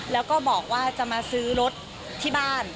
แล้วก็บอกว่าจะมาซื้อรถที่บ้าน